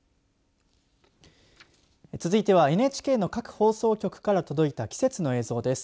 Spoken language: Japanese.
続いてはＮＨＫの各放送局から届いた季節の映像です。